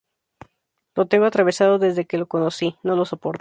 Lo tengo atravesado desde que lo conocí, no lo soporto